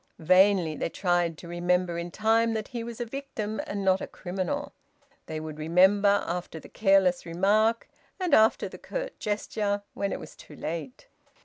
Vainly they tried to remember in time that he was a victim and not a criminal; they would remember after the careless remark and after the curt gesture, when it was too late.